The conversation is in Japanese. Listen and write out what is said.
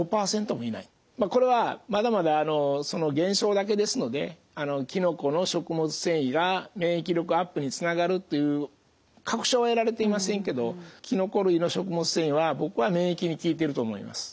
これはまだまだその現象だけですのできのこの食物繊維が免疫力アップにつながるっていう確証は得られていませんけどきのこ類の食物繊維は僕は免疫に効いてると思います。